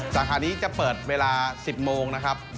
สาขานี้จะเปิดเวลา๑๐โมงนะครับ